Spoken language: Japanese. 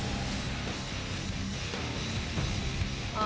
あ！